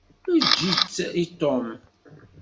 Eǧǧ-itt i Tom.